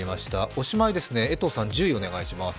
おしまいに江藤さん、１０位お願いします。